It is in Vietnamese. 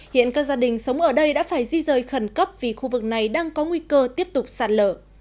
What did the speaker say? hiện các gia đình sống ở đây đã phải di rời khẩn cấp vì khu vực này đang có nguy cơ tiếp tục sạt lở